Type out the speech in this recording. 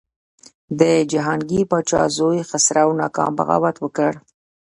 د جهانګیر پاچا زوی خسرو ناکام بغاوت وکړ.